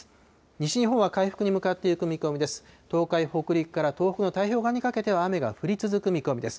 西日本は回復に向かっていく見込みです。